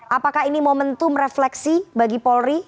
apakah ini momentum refleksi bagi polri